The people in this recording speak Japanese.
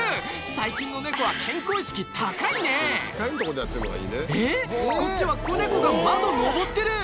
最近の猫は健康意識高いねえっこっちは子猫が窓登ってる！